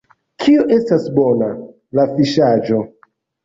Kio estas bona? la fiŝaĵo!